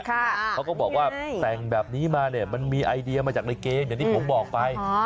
เขาก็บอกว่าแต่งแบบนี้มาเนี่ยมันมีไอเดียมาจากในเกณฑ์อย่างที่ผมบอกไป